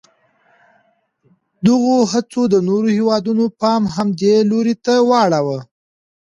دغو هڅو د نورو هېوادونو پام هم دې لوري ته واړاوه.